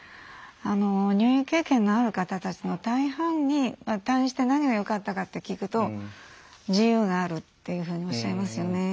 入院経験のある方たちの大半に退院して何がよかったかって聞くと自由があるっていうふうにおっしゃいますよね。